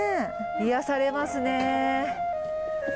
癒やされますね。